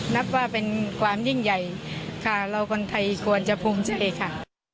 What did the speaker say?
นับว่าเป็นความยิ่งใหญ่ค่ะเราคนไทยควรจะภูมิใจค่ะ